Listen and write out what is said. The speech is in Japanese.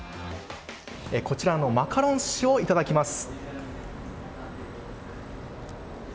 こちらのマカロン寿司をいただきます。